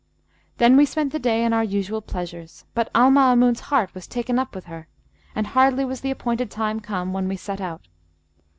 Then we spent the day in our usual pleasures, but Al Maamun's heart was taken up with her, and hardly was the appointed time come, when we set out.